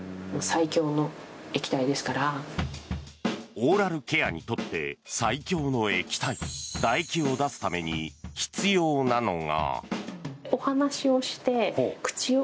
オーラルケアにとって最強の液体だ液を出すために必要なのが。